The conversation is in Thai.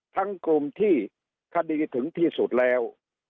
กลุ่มที่คดีถึงที่สุดแล้ว